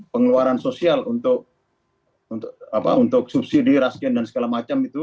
keputusan sosial untuk subsidi raskin dan segala macam itu